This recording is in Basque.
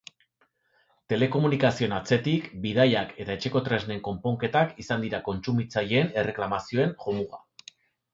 Telekomunikazioen atzetik, bidaiak eta etxeko tresnen konponketak izan dira kontsumitzaileen erreklamazioen jomuga.